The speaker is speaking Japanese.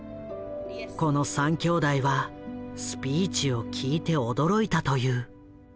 この３きょうだいはスピーチを聴いて驚いたという。